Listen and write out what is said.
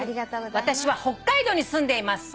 「私は北海道に住んでいます」